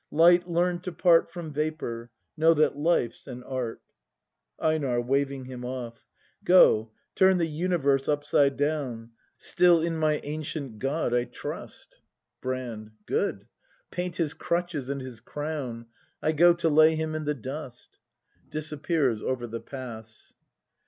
] Light learn to part From vapour. — Know that Life's an art! EiNAR. [Waving him off.] Go, turn the universe upside down; Still in my ancient God I trust! ACT I] BRAND 45 Brand. Good; paint his crutches and his crown, — I go to lay him in the dust! [Disappears over the pass.